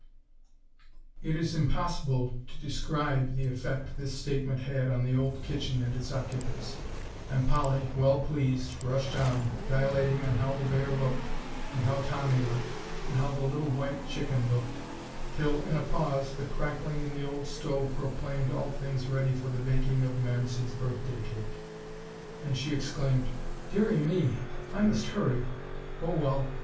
] It is impossible to describe the effect this statement had on the old kitchen and its occupants; and Polly, well pleased, rushed on, dilating on how the bear looked, and how Tommy looked, and how the little white chicken looked; till, in a pause, the crackling in the old stove proclaimed all things ready for the baking of Mamsie's birthday cake, and she exclaimed, "Deary me, I must hurry. Oh well!